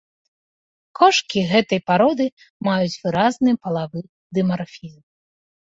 Кошкі гэтай пароды маюць выразны палавы дымарфізм.